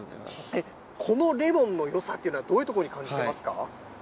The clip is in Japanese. このレモンのよさっていうのは、どういうところに感じれますか？